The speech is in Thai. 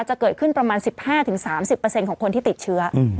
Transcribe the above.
จะเกิดขึ้นประมาณ๑๕๓๐ของคนที่ติดเชื้อ